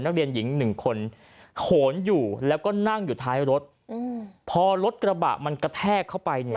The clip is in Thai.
นักเรียนหญิงหนึ่งคนโหนอยู่แล้วก็นั่งอยู่ท้ายรถอืมพอรถกระบะมันกระแทกเข้าไปเนี่ย